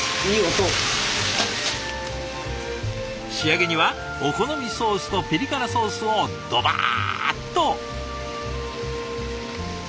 仕上げにはお好みソースとピリ辛ソースをドバーッと。